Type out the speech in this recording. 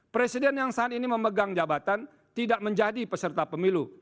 presiden yang saat ini memegang jabatan tidak menjadi peserta pemilu